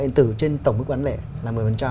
điện tử trên tổng mức bán lẻ là một mươi